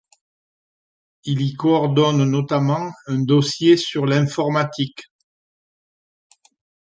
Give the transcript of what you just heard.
Il y coordonne notamment un dossier sur l'informatique.